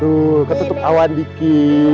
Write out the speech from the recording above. tuh ketutup awan dikit